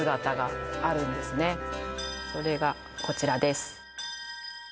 それがこちらです